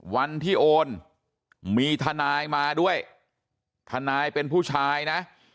วันที่โอนมีทนายมาด้วยทนายเป็นผู้ชายนะ